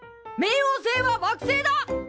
冥王星は惑星だ！